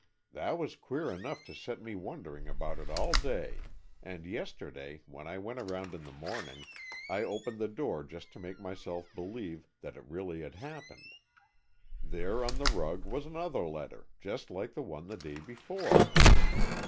"That was queer enough to set me wondering about it all day, and yesterday, when I went around in the morning, I opened the door just to make myself believe that it really had happened. There on the rug was another letter, just like the one the day before."